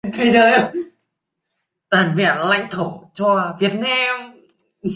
toàn vẹn lãnh thổ cho Việt Nam